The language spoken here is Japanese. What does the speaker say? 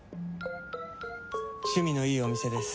趣味のいいお店です。